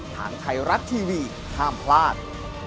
ทางไทยรัฐทีวีห้ามพลาด